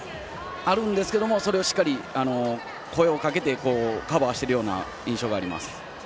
あるんですけどそれをしっかり声をかけてカバーしている印象があります。